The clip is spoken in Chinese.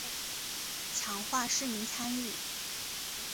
强化市民参与